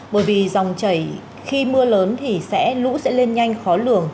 bởi vì dòng chảy khi mưa lớn thì sẽ lũ sẽ lên nhanh khó lường